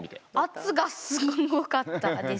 圧がすごかったですよ。